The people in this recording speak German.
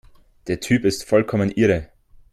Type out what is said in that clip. Der Typ ist vollkommen irre!